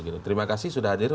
terima kasih sudah hadir